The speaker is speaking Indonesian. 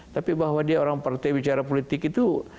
tapi bahwa dia orang partai bicara politik itu